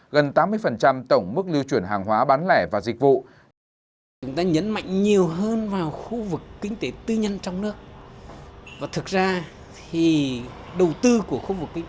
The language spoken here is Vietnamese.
gần tám mươi tổng mức lưu chuyển hàng hóa bán lẻ và dịch vụ